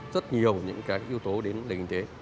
rất nhiều những cái yếu tố đến nền kinh tế